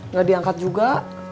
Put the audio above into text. nggak diangkat juga